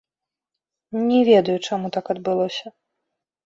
Не ведаю, чаму так адбылося.